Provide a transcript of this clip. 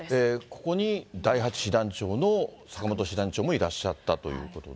ここに第８師団長の坂本師団長もいらっしゃったということで。